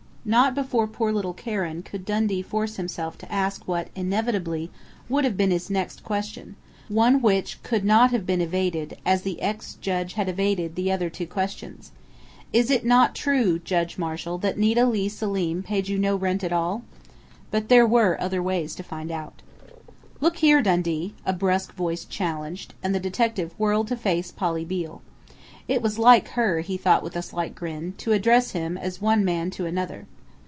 Not before poor little Karen could Dundee force himself to ask what, inevitably, would have been his next question one which could not have been evaded, as the ex judge had evaded the other two questions: "Is it not true, Judge Marshal, that Nita Leigh Selim paid you no rent at all?" But there were other ways to find out.... "Look here, Dundee!" a brusque voice challenged, and the detective whirled to face Polly Beale. It was like her, he thought with a slight grin, to address him as one man to another....